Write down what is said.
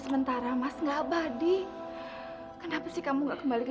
semuanya harus dihitung